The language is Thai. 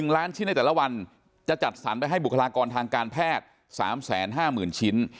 ๑ล้านชิ้นในแต่ละวันจะจัดสรรไปให้บุคลากรทางการแพทย์๓๕๐๐๐ชิ้น